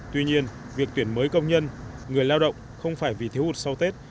tuy nhiên việc tuyển mới công nhân người lao động không phải vì thiếu hụt sau tết